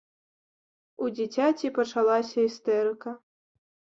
У дзіцяці пачалася істэрыка.